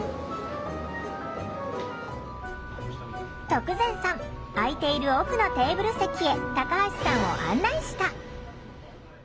徳善さん空いている奥のテーブル席へタカハシさんを案内した。